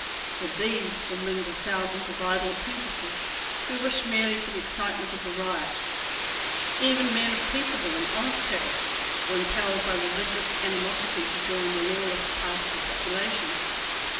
With these were mingled thousands of idle apprentices, who wished merely for the excitement of a riot. Even men of peaceable and honest habits were impelled by religious animosity to join the lawless part of the population.